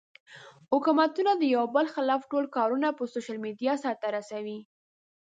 حکومتونه د يو بل خلاف ټول کارونه پۀ سوشل ميډيا سر ته رسوي